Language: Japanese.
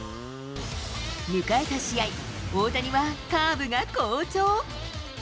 迎えた試合、大谷はカーブが好調。